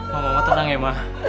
mama mama tenang ya ma